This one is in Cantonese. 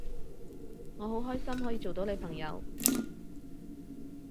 我好開心可以做到你朋友